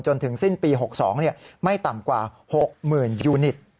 จนถึงสิ้นปี๖๒ไม่ต่ำกว่า๖๐๐๐ยูนิต